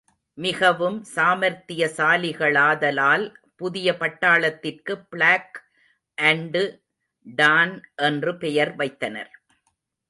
மிகவும் சாமத்ர்தியசாலிகளாதலால் புதியபட்டாளத்திற்கு பிளாக் அன்டு டான் என்று பெயர் வைத்தனர்.